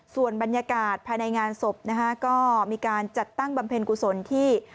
ส่วนบรรยากาศภายในงานศพนะฮะก็มีการจัดตั้งบำเพ็ญกุศลที่